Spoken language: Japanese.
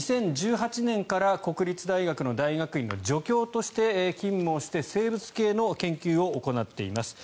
２０１８年から国立大学の大学院の助教として勤務をして生物系の研究を行っています。